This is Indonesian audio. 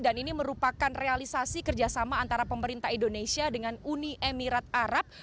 dan ini merupakan realisasi kerjasama antara pemerintah indonesia dengan uni emirat arab